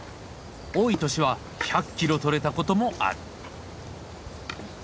多い年は１００キロとれたこともある。